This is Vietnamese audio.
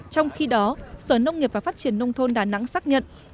trong khi đó sở nông nghiệp và phát triển nông thôn đà nẵng xác nhận